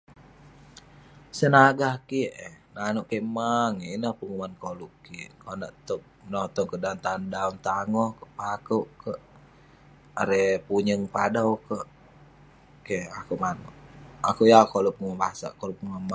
Senagah kik eh, nanouk kik maang ineh penguman koluk kik. Konak tog- menotong kek konak daon tangoh, pakouk kek, erei punyeng padau kek. Keh akouk manouk. Akouk yeng akouk koluk penguman basak, koluk penguman maang-